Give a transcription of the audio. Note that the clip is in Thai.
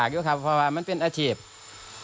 ก็จะฝากว่าเป็นอาชีพค่ะ